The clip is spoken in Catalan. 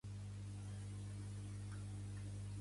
El llec que ostentava el càrrec era un abat llec.